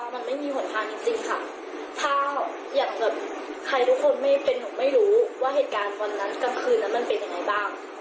มันไม่มีหนทางจริงค่ะถ้าอย่างแบบใครทุกคนไม่เป็นหนูไม่รู้ว่าเหตุการณ์วันนั้นกลางคืนนั้นมันเป็นยังไงบ้าง